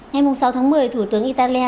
ngày sáu tháng một mươi thủ tướng italia